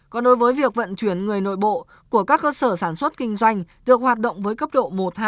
còn đối với việc vận chuyển người nội bộ của các cơ sở sản xuất kinh doanh được hoạt động với cấp độ một hai